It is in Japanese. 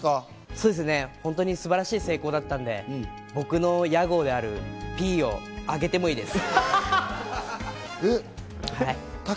本当に素晴らしい成功だったんで、僕の屋号であるＰをあげてもいいです。